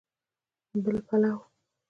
بل پلو